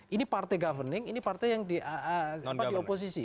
ini partai governing ini partai yang di oposisi